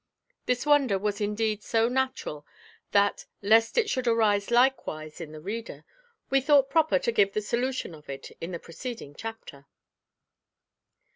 This wonder was indeed so natural that, lest it should arise likewise in the reader, we thought proper to give the solution of it in the preceding chapter.